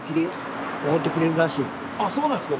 あっそうなんですか。